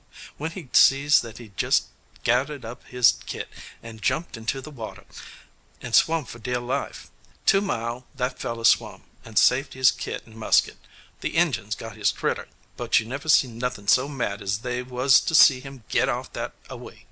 When he see that he jist gethered up his kit and jumped into the water, and swum for dear life. Two mile good that feller swum, and saved his kit and musket. The Injuns got his critter, but you never see nothin' so mad as they was to see him git off that a way.